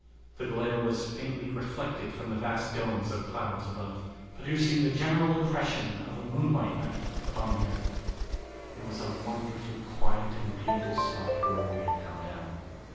The glare was faintly reflected from the vast dome of clouds above, producing the general impression of a moonlight night upon the earth. It was a wonderfully quiet and beautiful spot where we had come down.